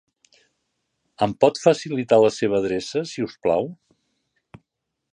Em pot facilitar la seva adreça, si us plau?